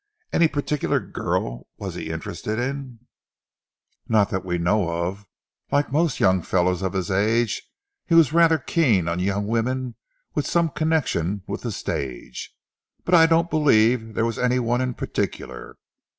"Any particular girl was he interested in?" "Not that we know of. Like most young fellows of his age, he was rather keen on young women with some connection with the stage, but I don't believe there was any one in particular.